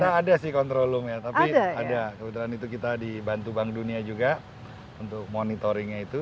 kita ada sih control roomnya tapi kebetulan itu kita dibantu bank dunia juga untuk monitoringnya itu